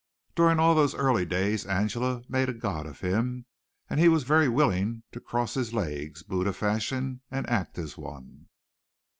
During all those early days Angela made a god of him and he was very willing to cross his legs, Buddha fashion, and act as one.